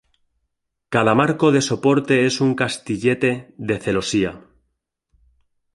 Cada marco de soporte es un castillete de celosía.